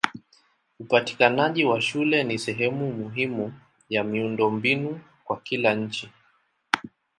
Upatikanaji wa shule ni sehemu muhimu ya miundombinu wa kila nchi.